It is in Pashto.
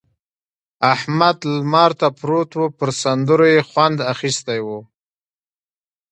احمد لمر ته پروت وو؛ پر سندرو يې خوند اخيستی وو.